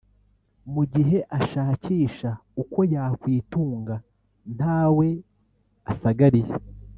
mu gihe ashakisha uko yakwitunga ntawe asagariye